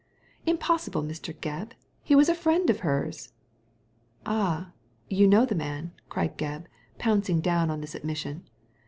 ''Impossible, Mr. Gebb. He was a friend of hers!" " Ah ! you know the man I " cried Gebb, pouncing down on this admission.